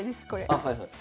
あはいはい。